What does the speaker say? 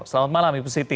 selamat malam ibu siti